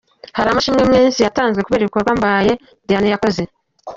Hari amashimwe yatanzwe kubera ibikorwa Mbaye Diagneyakoze.